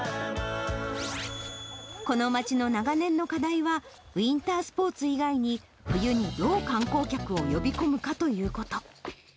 この町の長年の課題は、ウィンタースポーツ以外に、冬にどう観光客を呼び込むかということ。